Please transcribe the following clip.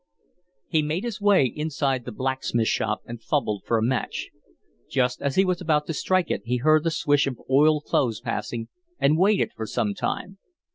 He made his way inside the blacksmith shop and fumbled for a match. Just as he was about to strike it he heard the swish of oiled clothes passing, and waited for some time.